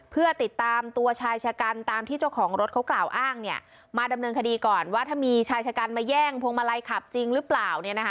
เพื่อติดตามตัวชายชะกันตามที่เจ้าของรถเขากล่าวอ้างมาดำเนินคดีก่อนว่าถ้ามีชายชะกันมาแย่งพวงมาลัยขับจริงหรือเปล่า